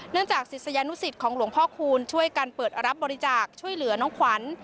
จากศิษยานุสิตของหลวงพ่อคูณช่วยกันเปิดรับบริจาคช่วยเหลือน้องขวัญ